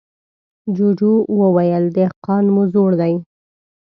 جوجو وويل: دهقان مو زوړ دی.